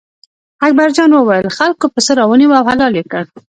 اکبر جان وویل: خلکو پسه را ونیوه او حلال یې کړ.